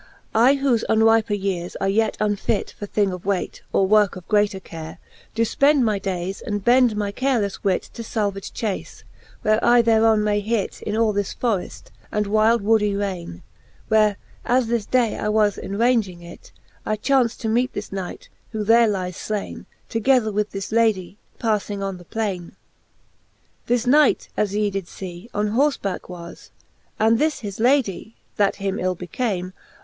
Ijwhofe unryper yeares are yet unfit For thing of weight, or worke of greater care, Doe Ipend my dayes, and bend my carelefle wit To falvage chace, where I thereon may hit In all this forreft, and wyld wooddie raine ; Where, as this day I was enraunging it, I chaunft to meete this knight, who there lyes flaine. Together with this Ladie, palling on the plaine. X. The knight, as ye did fee, on horie backe was. And this his Ladie, that him ill became.